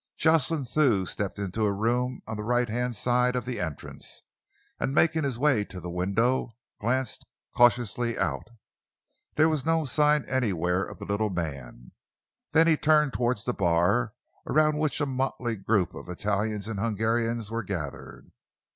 Jocelyn Thew stepped into a room on the right hand side of the entrance and, making his way to the window, glanced cautiously out. There was no sign anywhere of the little man. Then he turned towards the bar, around which a motley group of Italians and Hungarians were gathered.